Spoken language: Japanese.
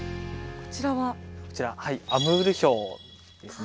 こちらアムールヒョウですね。